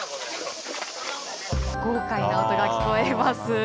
豪快な音が聞こえます。